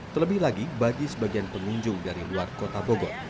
terlebih lagi bagi sebagian pengunjung dari luar kota bogor